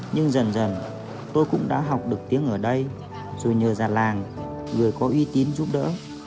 nhưng dần dần tôi cũng đã học được tiếng ở đây rồi nhờ già làng người có uy tín giúp đỡ